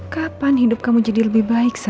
kapan hidup kamu jadi lebih baik